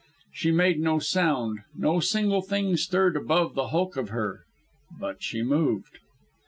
She made no sound. No single thing stirred aboard the hulk of her but she moved.